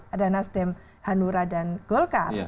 ada nasdem hanura dan golkar